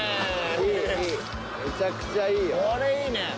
いいね。